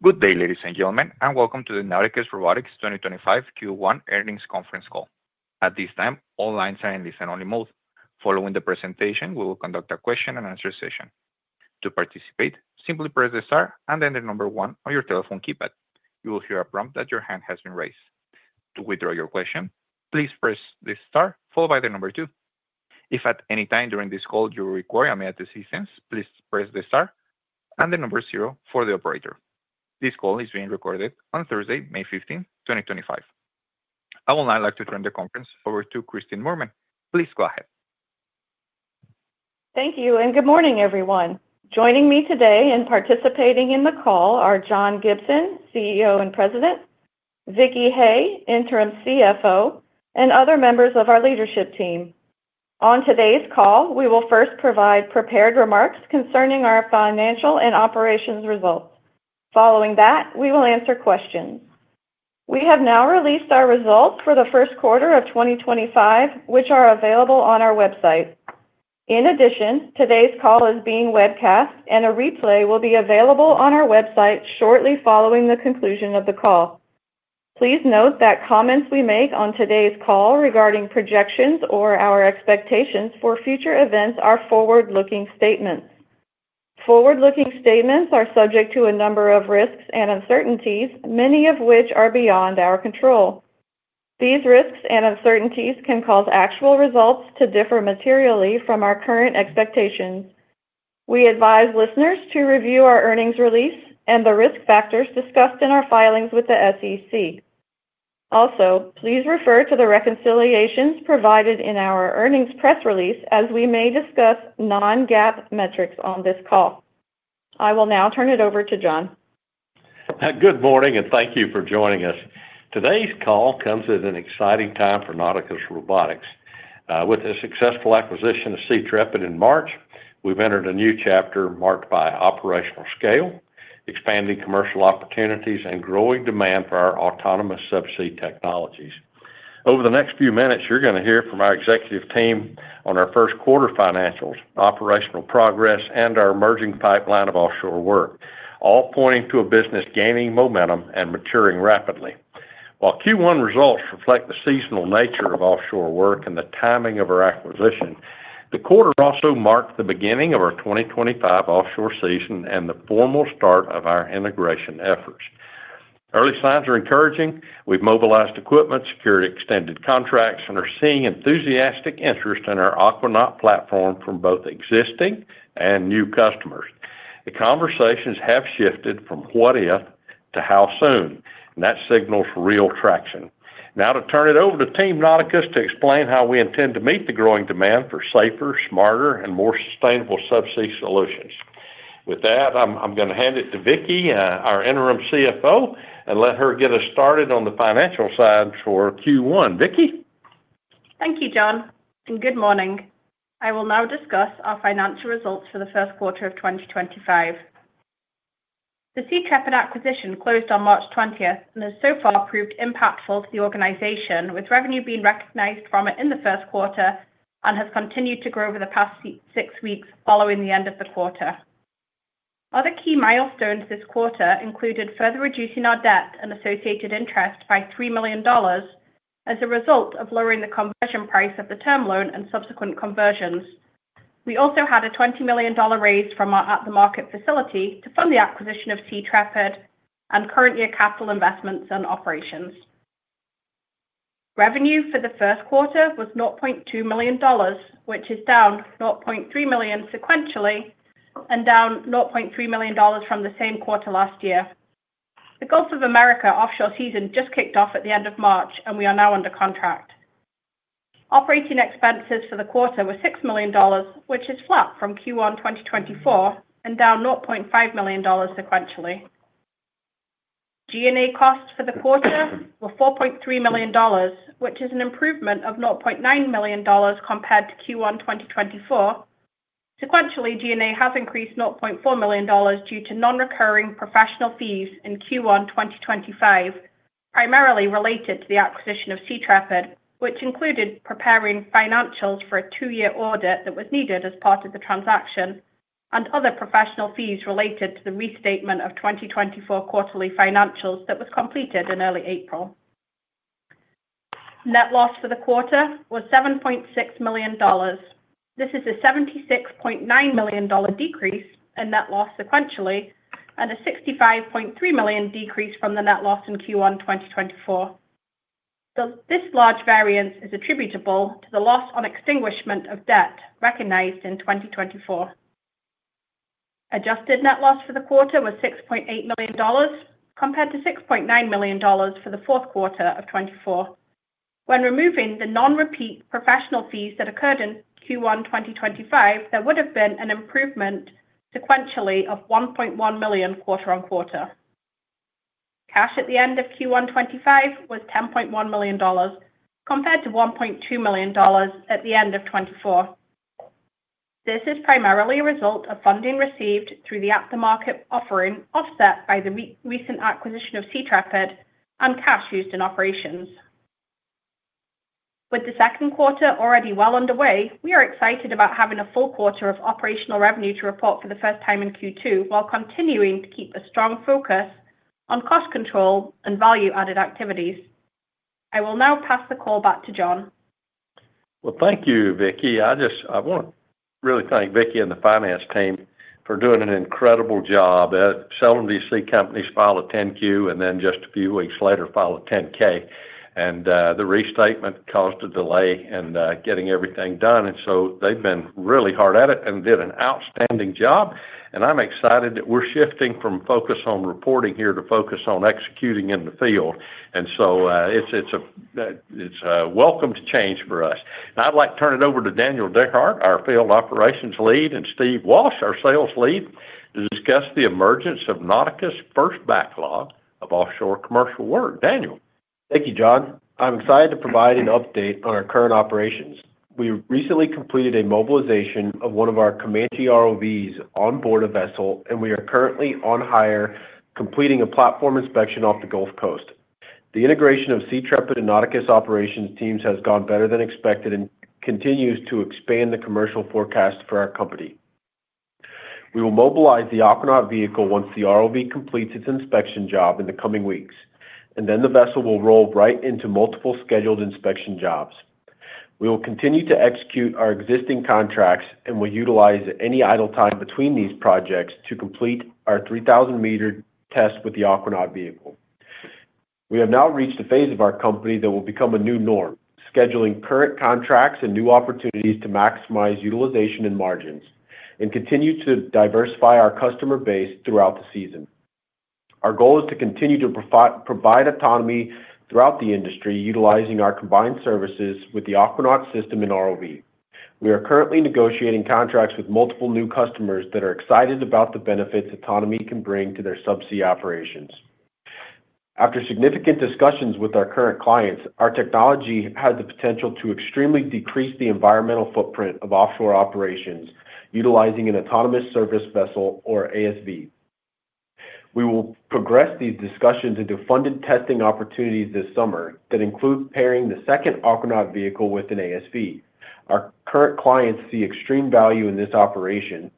Good day, ladies and gentlemen, and welcome to the Nauticus Robotics 2025 Q1 earnings conference call. At this time, all lines are in listen-only mode. Following the presentation, we will conduct a question-and-answer session. To participate, simply press the star and then the number one on your telephone keypad. You will hear a prompt that your hand has been raised. To withdraw your question, please press the star followed by the number two. If at any time during this call you require meeting assistance, please press the star and the number zero for the operator. This call is being recorded on Thursday, May 15, 2025. I would now like to turn the conference over to Kristin Moorman. Please go ahead. Thank you, and good morning, everyone. Joining me today and participating in the call are John Gibson, CEO and President; Vicky Hay, Interim CFO; and other members of our leadership team. On today's call, we will first provide prepared remarks concerning our financial and operations results. Following that, we will answer questions. We have now released our results for the first quarter of 2025, which are available on our website. In addition, today's call is being webcast, and a replay will be available on our website shortly following the conclusion of the call. Please note that comments we make on today's call regarding projections or our expectations for future events are forward-looking statements. Forward-looking statements are subject to a number of risks and uncertainties, many of which are beyond our control. These risks and uncertainties can cause actual results to differ materially from our current expectations. We advise listeners to review our earnings release and the risk factors discussed in our filings with the SEC. Also, please refer to the reconciliations provided in our earnings press release, as we may discuss non-GAAP metrics on this call. I will now turn it over to John. Good morning, and thank you for joining us. Today's call comes at an exciting time for Nauticus Robotics. With the successful acquisition of SeaTrepid in March, we've entered a new chapter marked by operational scale, expanding commercial opportunities, and growing demand for our autonomous subsea technologies. Over the next few minutes, you're going to hear from our executive team on our first quarter financials, operational progress, and our emerging pipeline of offshore work, all pointing to a business gaining momentum and maturing rapidly. While Q1 results reflect the seasonal nature of offshore work and the timing of our acquisition, the quarter also marked the beginning of our 2025 offshore season and the formal start of our integration efforts. Early signs are encouraging. We've mobilized equipment, secured extended contracts, and are seeing enthusiastic interest in our Aquanaut platform from both existing and new customers. The conversations have shifted from what if to how soon, and that signals real traction. Now, to turn it over to Team Nauticus to explain how we intend to meet the growing demand for safer, smarter, and more sustainable subsea solutions. With that, I'm going to hand it to Vicky, our Interim CFO, and let her get us started on the financial side for Q1. Vicky. Thank you, John, and good morning. I will now discuss our financial results for the first quarter of 2025. The SeaTrepid acquisition closed on March 20 and has so far proved impactful to the organization, with revenue being recognized from it in the first quarter and has continued to grow over the past six weeks following the end of the quarter. Other key milestones this quarter included further reducing our debt and associated interest by $3 million as a result of lowering the conversion price of the term loan and subsequent conversions. We also had a $20 million raise from our at-the-market facility to fund the acquisition of SeaTrepid and current year capital investments and operations. Revenue for the first quarter was $0.2 million, which is down $0.3 million sequentially and down $0.3 million from the same quarter last year. The Gulf of Mexico offshore season just kicked off at the end of March, and we are now under contract. Operating expenses for the quarter were $6 million, which is flat from Q1 2024 and down $0.5 million sequentially. G&A costs for the quarter were $4.3 million, which is an improvement of $0.9 million compared to Q1 2024. Sequentially, G&A has increased $0.4 million due to non-recurring professional fees in Q1 2025, primarily related to the acquisition of SeaTrepid, which included preparing financials for a two-year audit that was needed as part of the transaction and other professional fees related to the restatement of 2024 quarterly financials that was completed in early April. Net loss for the quarter was $7.6 million. This is a $76.9 million decrease in net loss sequentially and a $65.3 million decrease from the net loss in Q1 2024. This large variance is attributable to the loss on extinguishment of debt recognized in 2024. Adjusted net loss for the quarter was $6.8 million compared to $6.9 million for the fourth quarter of 2024. When removing the non-repeat professional fees that occurred in Q1 2025, there would have been an improvement sequentially of $1.1 million quarter on quarter. Cash at the end of Q1 2025 was $10.1 million compared to $1.2 million at the end of 2024. This is primarily a result of funding received through the at-the-market offering offset by the recent acquisition of SeaTrepid and cash used in operations. With the second quarter already well underway, we are excited about having a full quarter of operational revenue to report for the first time in Q2 while continuing to keep a strong focus on cost control and value-added activities. I will now pass the call back to John. Thank you, Vicky. I just, I want to really thank Vicky and the finance team for doing an incredible job. Some of these sea companies filed a 10Q and then just a few weeks later filed a 10K. The restatement caused a delay in getting everything done. They have been really hard at it and did an outstanding job. I am excited that we are shifting from focus on reporting here to focus on executing in the field. It is a welcome change for us. I would like to turn it over to Daniel Dehart, our Field Operations Lead, and Steve Walsh, our Sales Lead, to discuss the emergence of Nauticus' first backlog of offshore commercial work. Daniel. Thank you, John. I'm excited to provide an update on our current operations. We recently completed a mobilization of one of our Comanche ROVs onboard a vessel, and we are currently on hire completing a platform inspection off the Gulf Coast. The integration of SeaTrepid and Nauticus operations teams has gone better than expected and continues to expand the commercial forecast for our company. We will mobilize the Aquanaut vehicle once the ROV completes its inspection job in the coming weeks, and then the vessel will roll right into multiple scheduled inspection jobs. We will continue to execute our existing contracts and will utilize any idle time between these projects to complete our 3,000-meter test with the Aquanaut vehicle. We have now reached a phase of our company that will become a new norm, scheduling current contracts and new opportunities to maximize utilization and margins and continue to diversify our customer base throughout the season. Our goal is to continue to provide autonomy throughout the industry utilizing our combined services with the Aquanaut system and ROV. We are currently negotiating contracts with multiple new customers that are excited about the benefits autonomy can bring to their subsea operations. After significant discussions with our current clients, our technology has the potential to extremely decrease the environmental footprint of offshore operations utilizing an autonomous service vessel, or ASV. We will progress these discussions into funded testing opportunities this summer that include pairing the second Aquanaut vehicle with an ASV. Our current clients see extreme value in this operation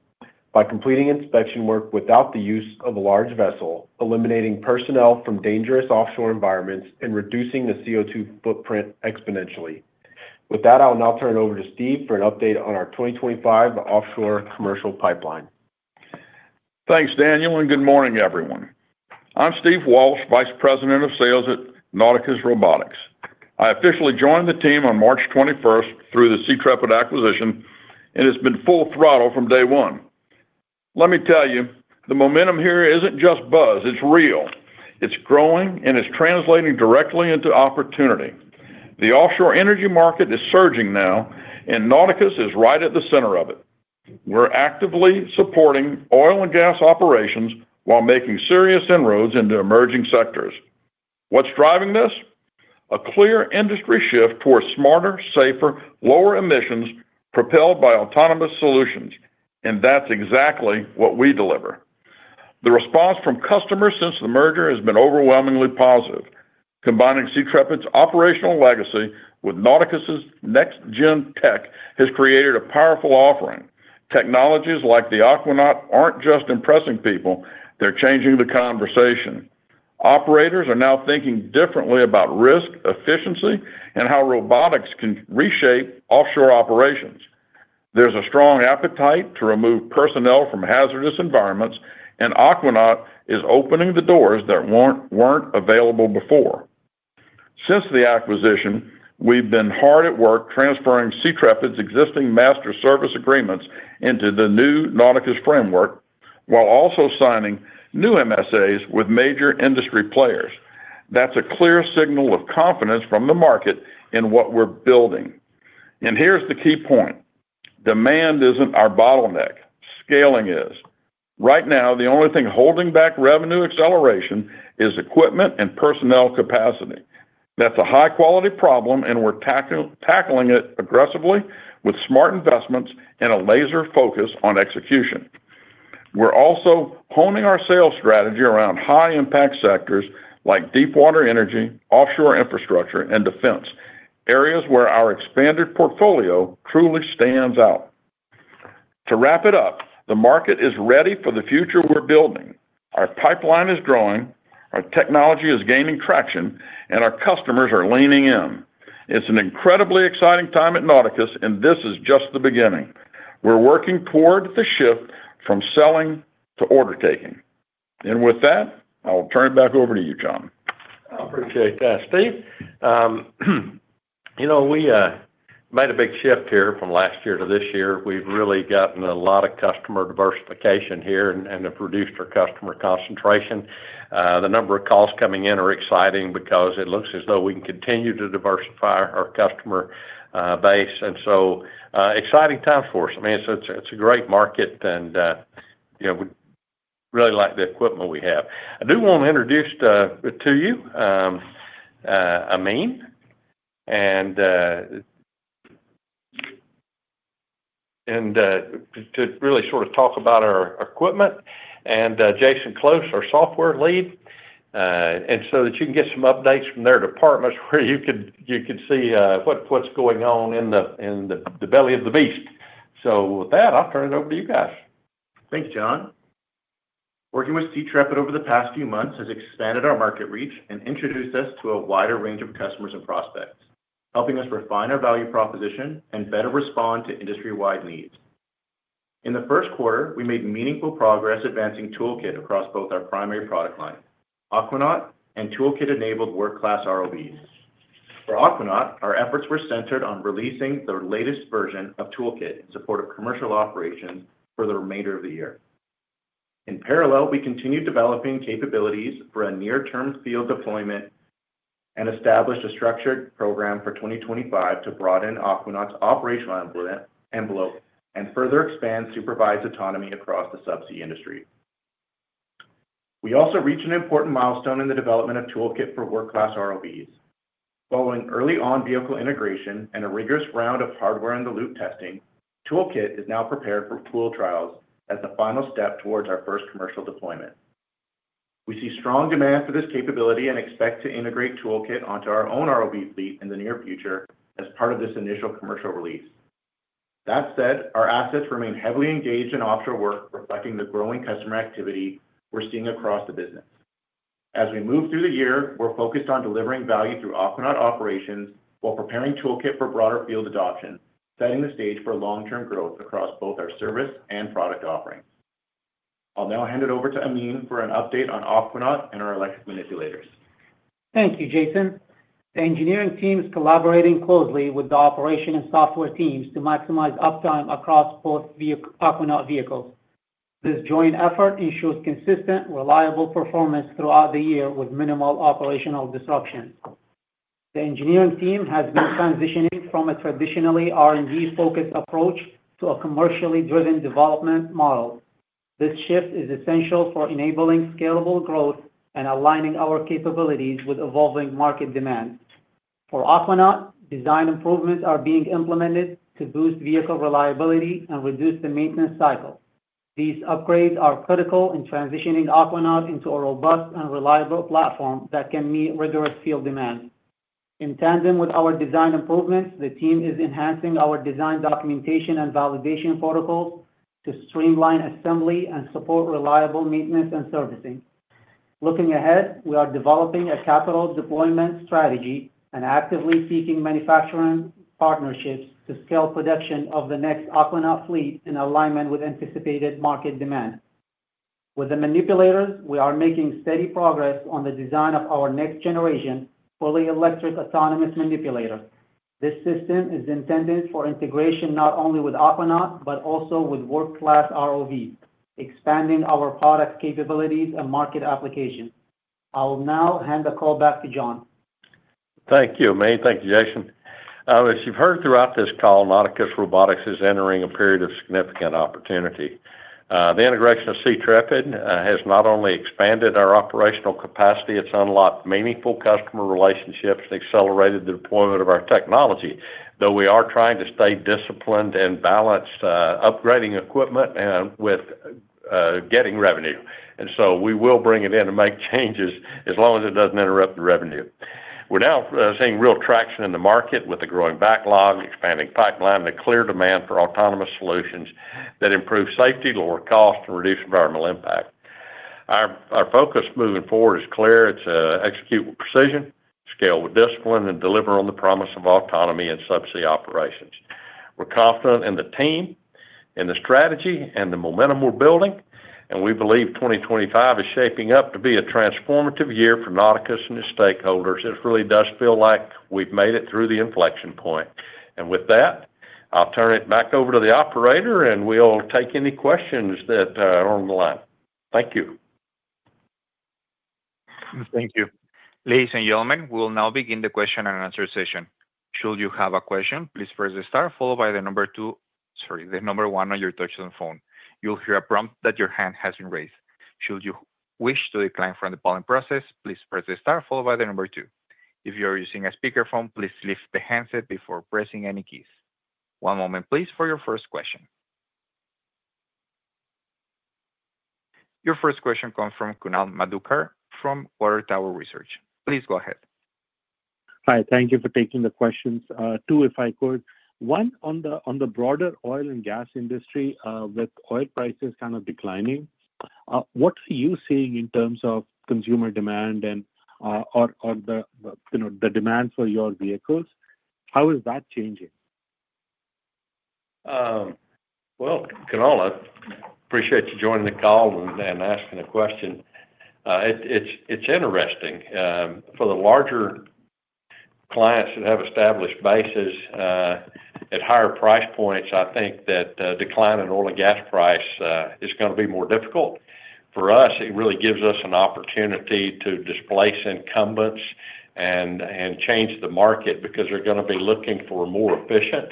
by completing inspection work without the use of a large vessel, eliminating personnel from dangerous offshore environments, and reducing the CO2 footprint exponentially. With that, I'll now turn it over to Steve for an update on our 2025 offshore commercial pipeline. Thanks, Daniel, and good morning, everyone. I'm Steve Walsh, Vice President of Sales at Nauticus Robotics. I officially joined the team on March 21 through the SeaTrepid acquisition, and it's been full throttle from day 1. Let me tell you, the momentum here isn't just buzz. It's real. It's growing, and it's translating directly into opportunity. The offshore energy market is surging now, and Nauticus is right at the center of it. We're actively supporting oil and gas operations while making serious inroads into emerging sectors. What's driving this? A clear industry shift towards smarter, safer, lower emissions propelled by autonomous solutions, and that's exactly what we deliver. The response from customers since the merger has been overwhelmingly positive. Combining SeaTrepid's operational legacy with Nauticus's next-gen tech has created a powerful offering. Technologies like the Aquanaut aren't just impressing people. They're changing the conversation. Operators are now thinking differently about risk, efficiency, and how robotics can reshape offshore operations. There's a strong appetite to remove personnel from hazardous environments, and Aquanaut is opening the doors that were not available before. Since the acquisition, we've been hard at work transferring SeaTrepid's existing master service agreements into the new Nauticus framework while also signing new MSAs with major industry players. That is a clear signal of confidence from the market in what we're building. Here's the key point: demand is not our bottleneck; scaling is. Right now, the only thing holding back revenue acceleration is equipment and personnel capacity. That is a high-quality problem, and we're tackling it aggressively with smart investments and a laser focus on execution. We're also honing our sales strategy around high-impact sectors like deep-water energy, offshore infrastructure, and defense—areas where our expanded portfolio truly stands out. To wrap it up, the market is ready for the future we're building. Our pipeline is growing, our technology is gaining traction, and our customers are leaning in. It's an incredibly exciting time at Nauticus, and this is just the beginning. We're working toward the shift from selling to order taking. With that, I'll turn it back over to you, John. I appreciate that, Steve. You know, we made a big shift here from last year to this year. We've really gotten a lot of customer diversification here and have reduced our customer concentration. The number of calls coming in are exciting because it looks as though we can continue to diversify our customer base. Exciting times for us. I mean, it's a great market, and we really like the equipment we have. I do want to introduce to you Ameen and to really sort of talk about our equipment and Jason Close, our software lead, so that you can get some updates from their departments where you can see what's going on in the belly of the beast. With that, I'll turn it over to you guys. Thanks, John. Working with SeaTrepid over the past few months has expanded our market reach and introduced us to a wider range of customers and prospects, helping us refine our value proposition and better respond to industry-wide needs. In the first quarter, we made meaningful progress advancing Toolkit across both our primary product line, Aquanaut, and Toolkit-enabled world-class ROVs. For Aquanaut, our efforts were centered on releasing the latest version of Toolkit in support of commercial operations for the remainder of the year. In parallel, we continued developing capabilities for a near-term field deployment and established a structured program for 2025 to broaden Aquanaut's operational envelope and further expand supervised autonomy across the subsea industry. We also reached an important milestone in the development of Toolkit for world-class ROVs. Following early-on vehicle integration and a rigorous round of hardware-in-the-loop testing, Toolkit is now prepared for pool trials as the final step towards our first commercial deployment. We see strong demand for this capability and expect to integrate Toolkit onto our own ROV fleet in the near future as part of this initial commercial release. That said, our assets remain heavily engaged in offshore work, reflecting the growing customer activity we're seeing across the business. As we move through the year, we're focused on delivering value through Aquanaut operations while preparing Toolkit for broader field adoption, setting the stage for long-term growth across both our service and product offerings. I'll now hand it over to Ameen for an update on Aquanaut and our electric manipulators. Thank you, Jason. The engineering team is collaborating closely with the operation and software teams to maximize uptime across both Aquanaut vehicles. This joint effort ensures consistent, reliable performance throughout the year with minimal operational disruption. The engineering team has been transitioning from a traditionally R&D-focused approach to a commercially driven development model. This shift is essential for enabling scalable growth and aligning our capabilities with evolving market demands. For Aquanaut, design improvements are being implemented to boost vehicle reliability and reduce the maintenance cycle. These upgrades are critical in transitioning Aquanaut into a robust and reliable platform that can meet rigorous field demands. In tandem with our design improvements, the team is enhancing our design documentation and validation protocols to streamline assembly and support reliable maintenance and servicing. Looking ahead, we are developing a capital deployment strategy and actively seeking manufacturing partnerships to scale production of the next Aquanaut fleet in alignment with anticipated market demand. With the manipulators, we are making steady progress on the design of our next generation fully electric autonomous manipulator. This system is intended for integration not only with Aquanaut but also with world-class ROVs, expanding our product capabilities and market applications. I'll now hand the call back to John. Thank you, Ameen. Thank you, Jason. As you've heard throughout this call, Nauticus Robotics is entering a period of significant opportunity. The integration of SeaTrepid has not only expanded our operational capacity, it has unlocked meaningful customer relationships and accelerated the deployment of our technology, though we are trying to stay disciplined and balanced upgrading equipment and with getting revenue. We will bring it in and make changes as long as it does not interrupt the revenue. We are now seeing real traction in the market with the growing backlog, expanding pipeline, and a clear demand for autonomous solutions that improve safety, lower cost, and reduce environmental impact. Our focus moving forward is clear. It is execute with precision, scale with discipline, and deliver on the promise of autonomy in subsea operations. We are confident in the team, in the strategy, and the momentum we are building. We believe 2025 is shaping up to be a transformative year for Nauticus and its stakeholders. It really does feel like we have made it through the inflection point. With that, I will turn it back over to the operator, and we will take any questions that are on the line. Thank you. Thank you. Liz and Yoman, we'll now begin the question and answer session. Should you have a question, please press the star, followed by the number one on your touch on the phone. You'll hear a prompt that your hand has been raised. Should you wish to decline from the following process, please press the star, followed by the number two. If you're using a speakerphone, please lift the handset before pressing any keys. One moment, please, for your first question. Your first question comes from Kunal Madhukar from Water Tower Research. Please go ahead. Hi. Thank you for taking the questions. Two, if I could. One, on the broader oil and gas industry, with oil prices kind of declining, what are you seeing in terms of consumer demand and the demand for your vehicles? How is that changing? Kunal, I appreciate you joining the call and asking the question. It's interesting. For the larger clients that have established bases at higher price points, I think that declining oil and gas price is going to be more difficult. For us, it really gives us an opportunity to displace incumbents and change the market because they're going to be looking for more efficient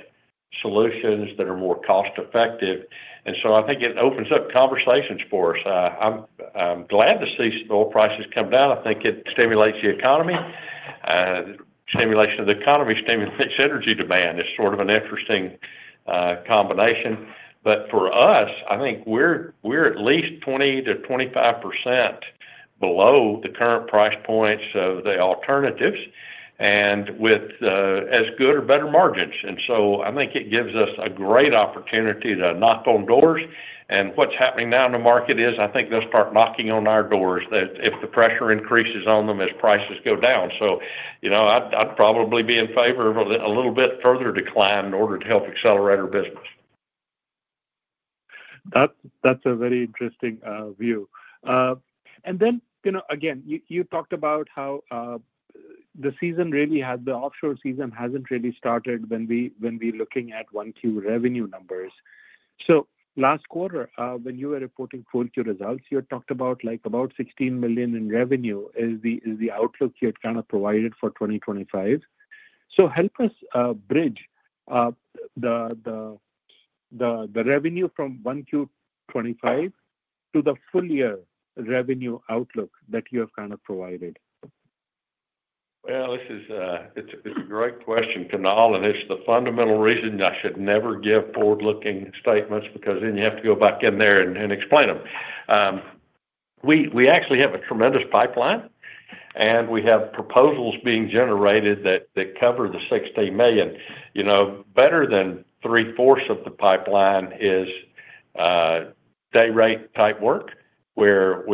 solutions that are more cost-effective. I think it opens up conversations for us. I'm glad to see oil prices come down. I think it stimulates the economy. Stimulation of the economy stimulates energy demand. It's sort of an interesting combination. For us, I think we're at least 20-25% below the current price points of the alternatives and with as good or better margins. I think it gives us a great opportunity to knock on doors. What's happening now in the market is I think they'll start knocking on our doors if the pressure increases on them as prices go down. I'd probably be in favor of a little bit further decline in order to help accelerate our business. That's a very interesting view. Then, again, you talked about how the season really has—the offshore season has not really started when we're looking at one-tier revenue numbers. Last quarter, when you were reporting Fourth Quarter, you had talked about $16 million in revenue is the outlook you had kind of provided for 2025. Help us bridge the revenue from one-tier 25 to the full-year revenue outlook that you have kind of provided. This is a great question, Kunal, and it's the fundamental reason I should never give forward-looking statements because then you have to go back in there and explain them. We actually have a tremendous pipeline, and we have proposals being generated that cover the $16 million. Better than three-fourths of the pipeline is day-rate type work, where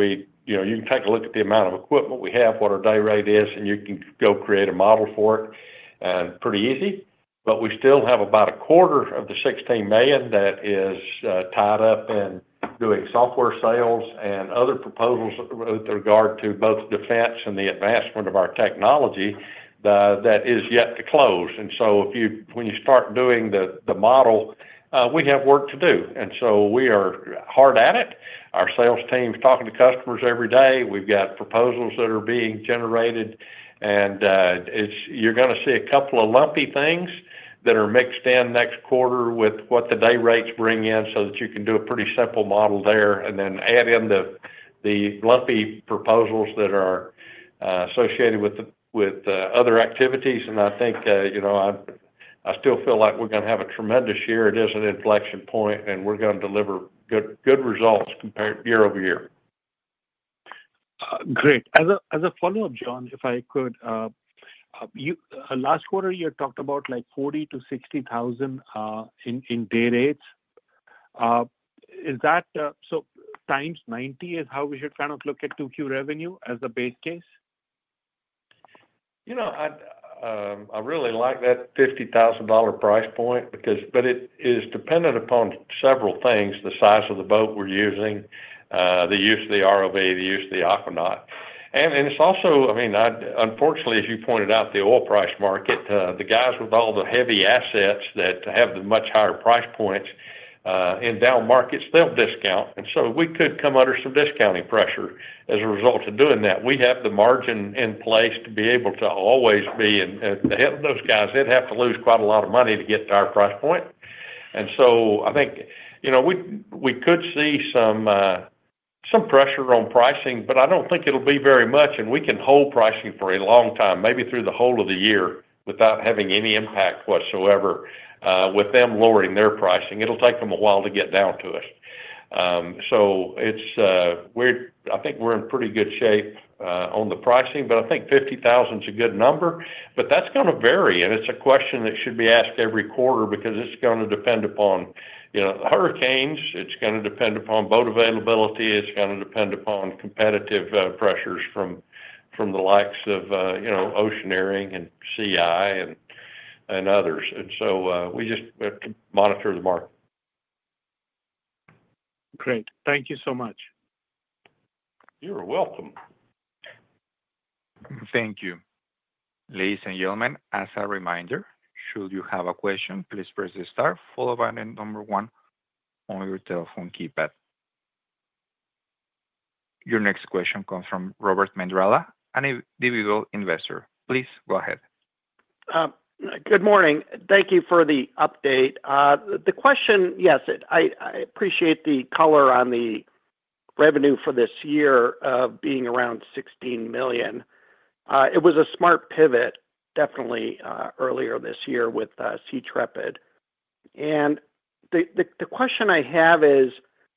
you can take a look at the amount of equipment we have, what our day rate is, and you can go create a model for it pretty easy. We still have about a quarter of the $16 million that is tied up in doing software sales and other proposals with regard to both defense and the advancement of our technology that is yet to close. When you start doing the model, we have work to do. We are hard at it. Our sales team is talking to customers every day. We've got proposals that are being generated. You're going to see a couple of lumpy things that are mixed in next quarter with what the day rates bring in so that you can do a pretty simple model there and then add in the lumpy proposals that are associated with other activities. I think I still feel like we're going to have a tremendous year. It is an inflection point, and we're going to deliver good results year over year. Great. As a follow-up, John, if I could, last quarter, you had talked about like $40,000-$60,000 in day rates. So times 90 is how we should kind of look at Toolkit revenue as a base case? You know, I really like that $50,000 price point, but it is dependent upon several things: the size of the boat we're using, the use of the ROV, the use of the Aquanaut. It's also, I mean, unfortunately, as you pointed out, the oil price market, the guys with all the heavy assets that have the much higher price points in down markets, they'll discount. We could come under some discounting pressure as a result of doing that. We have the margin in place to be able to always be in the head of those guys. They'd have to lose quite a lot of money to get to our price point. I think we could see some pressure on pricing, but I don't think it'll be very much. We can hold pricing for a long time, maybe through the whole of the year, without having any impact whatsoever with them lowering their pricing. It will take them a while to get down to us. I think we are in pretty good shape on the pricing, but I think $50,000 is a good number. That is going to vary. It is a question that should be asked every quarter because it is going to depend upon hurricanes. It is going to depend upon boat availability. It is going to depend upon competitive pressures from the likes of Oceaneering and C-Innovation and others. We just monitor the market. Great. Thank you so much. You're welcome. Thank you. Liz and Yoman, as a reminder, should you have a question, please press the star, followed by the number one on your telephone keypad. Your next question comes from Robert Mandrala, an individual investor. Please go ahead. Good morning. Thank you for the update. The question, yes, I appreciate the color on the revenue for this year of being around $16 million. It was a smart pivot, definitely, earlier this year with SeaTrepid. The question I have is,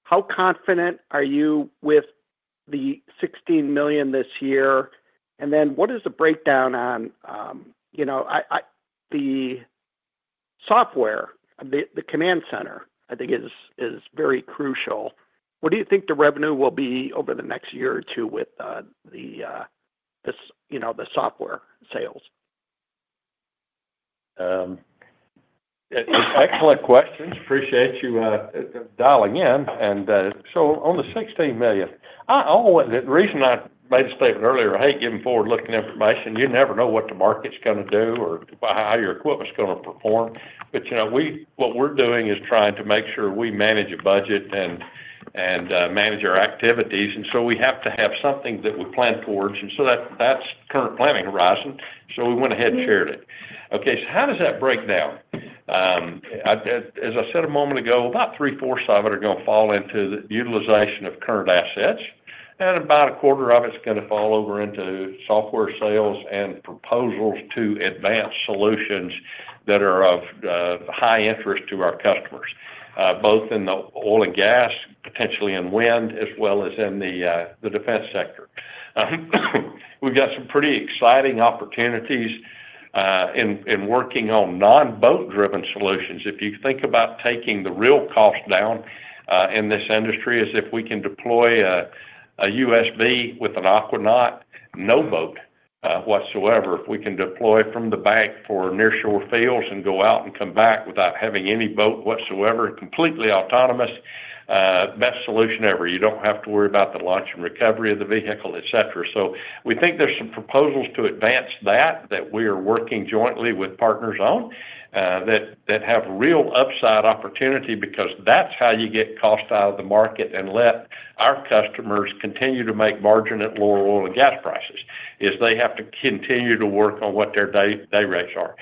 how confident are you with the $16 million this year? What is the breakdown on the software, the command center, I think is very crucial. What do you think the revenue will be over the next year or two with the software sales? Excellent questions. Appreciate you dialing in. On the $16 million, the reason I made a statement earlier, I hate getting forward-looking information. You never know what the market's going to do or how your equipment's going to perform. What we're doing is trying to make sure we manage a budget and manage our activities. We have to have something that we plan towards. That's current planning horizon. We went ahead and shared it. Okay. How does that break down? As I said a moment ago, about three-fourths of it are going to fall into the utilization of current assets. About a quarter of it's going to fall over into software sales and proposals to advanced solutions that are of high interest to our customers, both in the oil and gas, potentially in wind, as well as in the defense sector. We've got some pretty exciting opportunities in working on non-boat-driven solutions. If you think about taking the real cost down in this industry, as if we can deploy an ASV with an Aquanaut, no boat whatsoever, if we can deploy from the bank for nearshore fields and go out and come back without having any boat whatsoever, completely autonomous, best solution ever. You don't have to worry about the launch and recovery of the vehicle, etc. We think there's some proposals to advance that that we are working jointly with partners on that have real upside opportunity because that's how you get cost out of the market and let our customers continue to make margin at lower oil and gas prices, is they have to continue to work on what their day rates are.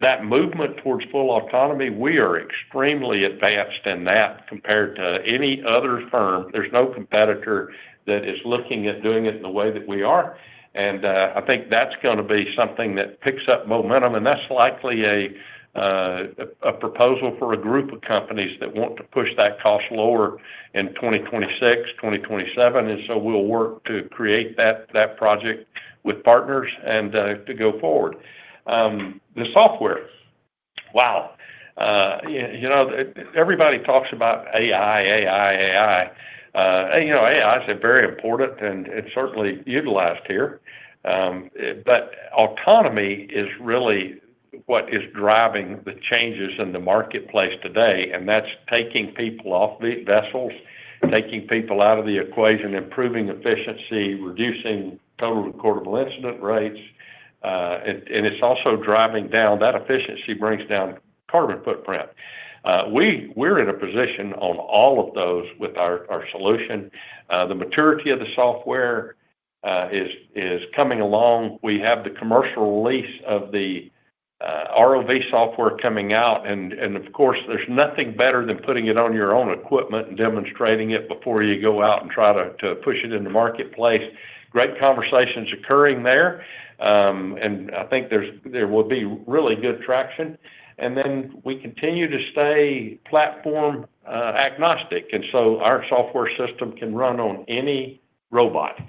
That movement towards full autonomy, we are extremely advanced in that compared to any other firm. There is no competitor that is looking at doing it in the way that we are. I think that is going to be something that picks up momentum. That is likely a proposal for a group of companies that want to push that cost lower in 2026, 2027. We will work to create that project with partners and to go forward. The software, wow. Everybody talks about AI, AI, AI. AI is very important and certainly utilized here. Autonomy is really what is driving the changes in the marketplace today. That is taking people off the vessels, taking people out of the equation, improving efficiency, reducing total recordable incident rates. It is also driving down that efficiency, brings down carbon footprint. We are in a position on all of those with our solution. The maturity of the software is coming along. We have the commercial release of the ROV software coming out. Of course, there's nothing better than putting it on your own equipment and demonstrating it before you go out and try to push it in the marketplace. Great conversations occurring there. I think there will be really good traction. We continue to stay platform agnostic. Our software system can run on any robot.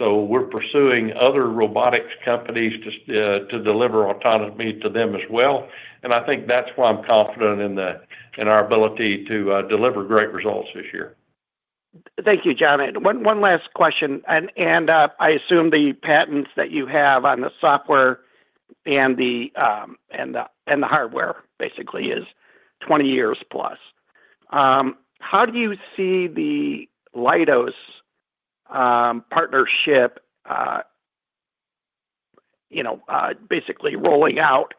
We're pursuing other robotics companies to deliver autonomy to them as well. I think that's why I'm confident in our ability to deliver great results this year. Thank you, John. One last question. I assume the patents that you have on the software and the hardware basically is 20 years plus. How do you see the Leidos partnership basically rolling out?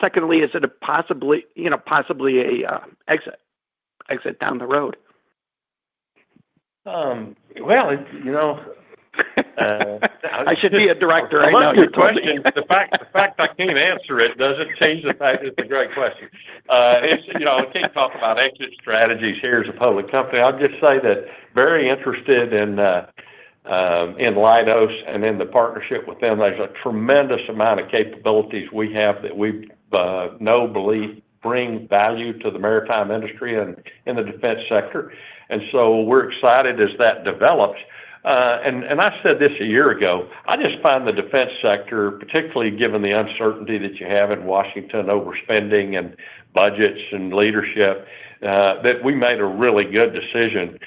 Secondly, is it possibly an exit down the road? You know. I should be a director. I know your question. The fact I can't answer it doesn't change the fact it's a great question. I can't talk about exit strategies here as a public company. I'll just say that very interested in Leidos and in the partnership with them. There's a tremendous amount of capabilities we have that we know bring value to the maritime industry and in the defense sector. We're excited as that develops. I said this a year ago, I just find the defense sector, particularly given the uncertainty that you have in Washington, overspending and budgets and leadership, that we made a really good decision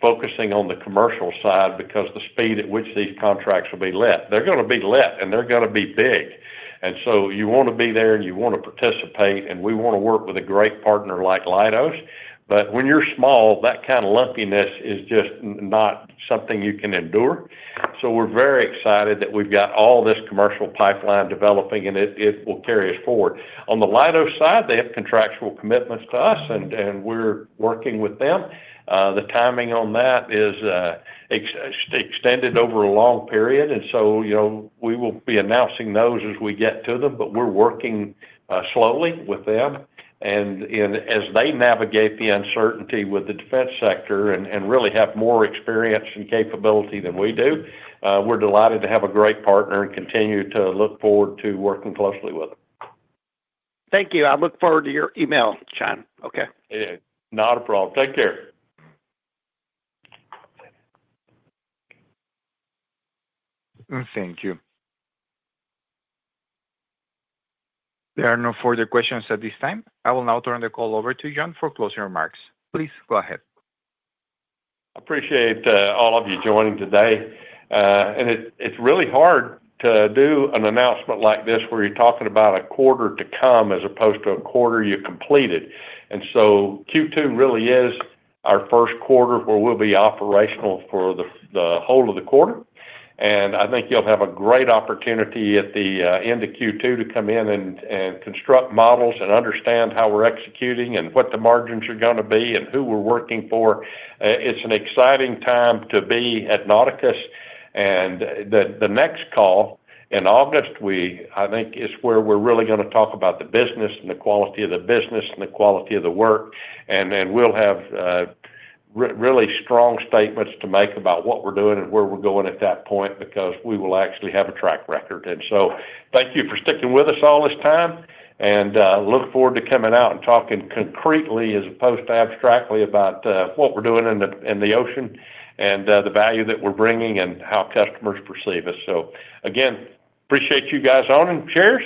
focusing on the commercial side because the speed at which these contracts will be let. They're going to be let, and they're going to be big. You want to be there, and you want to participate, and we want to work with a great partner like Leidos. When you're small, that kind of lumpiness is just not something you can endure. We are very excited that we have all this commercial pipeline developing, and it will carry us forward. On the Leidos side, they have contractual commitments to us, and we are working with them. The timing on that is extended over a long period. We will be announcing those as we get to them, but we are working slowly with them. As they navigate the uncertainty with the defense sector and really have more experience and capability than we do, we are delighted to have a great partner and continue to look forward to working closely with them. Thank you. I look forward to your email, John. Okay. Not a problem. Take care. Thank you. There are no further questions at this time. I will now turn the call over to John for closing remarks. Please go ahead. I appreciate all of you joining today. It's really hard to do an announcement like this where you're talking about a quarter to come as opposed to a quarter you completed. Q2 really is our first quarter where we'll be operational for the whole of the quarter. I think you'll have a great opportunity at the end of Q2 to come in and construct models and understand how we're executing and what the margins are going to be and who we're working for. It's an exciting time to be at Nauticus. The next call in August, I think, is where we're really going to talk about the business and the quality of the business and the quality of the work. We will have really strong statements to make about what we are doing and where we are going at that point because we will actually have a track record. Thank you for sticking with us all this time. I look forward to coming out and talking concretely as opposed to abstractly about what we are doing in the ocean and the value that we are bringing and how customers perceive us. Again, appreciate you guys owning shares.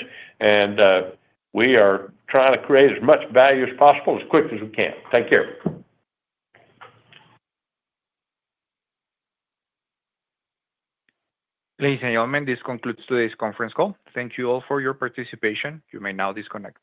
We are trying to create as much value as possible as quick as we can. Take care. Liz and Yoman, this concludes today's conference call. Thank you all for your participation. You may now disconnect.